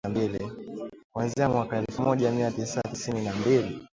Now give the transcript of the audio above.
Kuanzia mwaka elfu moja mia tisa tisini na mbili